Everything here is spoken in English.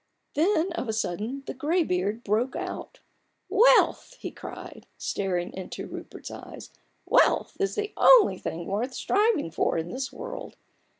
Then, of a sudden, the graybeard broke out. "Wealth!" he cried, staring into Rupert's eyes, " wealth is the only thing worth striving for in this world